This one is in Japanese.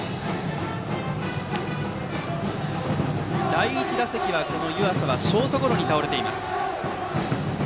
第１打席はこの湯浅はショートゴロに倒れています。